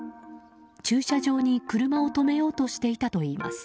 駐車場に車を止めようとしていたといいます。